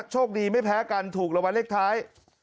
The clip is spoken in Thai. โชคดีไม่แพ้กันถูกรางวัลเลขท้าย